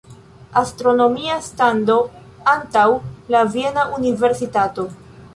Astronomia stando antaŭ la viena universitato.